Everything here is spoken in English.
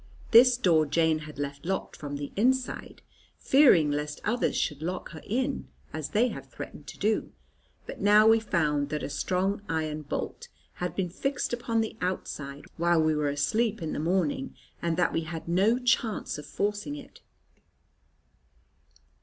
This door Jane had left locked from the inside, fearing lest others should lock her in, as they had threatened to do. But now we found that a strong iron bolt had been fixed upon the outside, while we were asleep in the morning, and that we had no chance of forcing it.